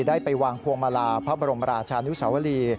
ได้ไปวางพวงมาลาพระบรมราชานุสาวรี